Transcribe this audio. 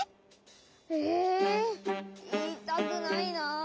えいいたくないなあ。